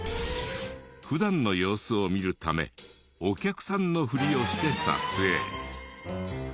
普段の様子を見るためお客さんのフリをして撮影。